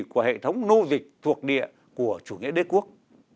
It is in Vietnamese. của hệ thống nô dịch thuộc địa của chủ nghĩa đế quốc